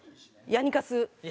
ヤニカス。